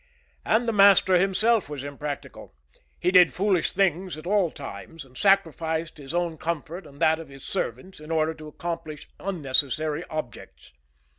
And the master himself was impractical. He did foolish things at all times, and sacrificed his own comfort and that of his servants in order to accomplish unnecessary objects.